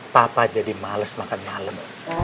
papa jadi males makan malam